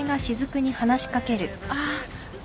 ああ。